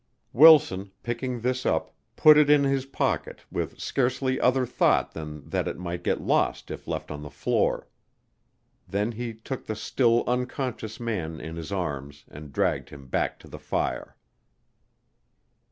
Wilson, picking this up, put it in his pocket with scarcely other thought than that it might get lost if left on the floor. Then he took the still unconscious man in his arms and dragged him back to the fire.